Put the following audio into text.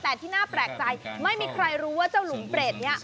แต่ที่น่าแปลกใจไม่มีใครรู้ว่าเจ้าหลุมเปรตเนี่ย